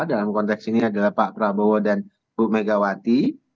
dalam konteks ini adalah pak prabowo dan bu megawati